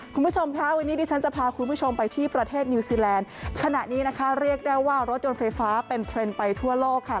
คุณผู้ชมค่ะวันนี้ดิฉันจะพาคุณผู้ชมไปที่ประเทศนิวซีแลนด์ขณะนี้นะคะเรียกได้ว่ารถยนต์ไฟฟ้าเป็นเทรนด์ไปทั่วโลกค่ะ